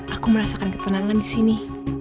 aku merasakan ketenangan disini